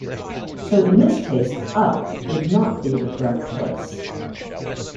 So in this case, "up" would not be the correct choice.